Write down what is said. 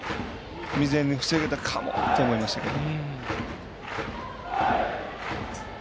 未然に防げたかもって思いましたけど。